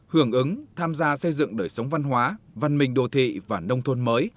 hưởng ứng tham gia xây dựng đời sống văn hóa văn minh đô thị và nông thôn mới